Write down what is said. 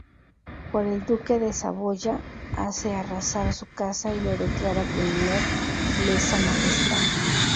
Pero el Duque de Saboya hace arrasar su casa y lo declara criminal "lesa-majestad".